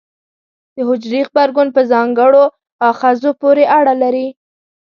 د حجرې غبرګون په ځانګړو آخذو پورې اړه لري.